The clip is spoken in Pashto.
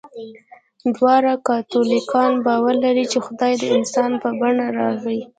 دواړه کاتولیکان باور لري، چې خدای د انسان په بڼه راغی.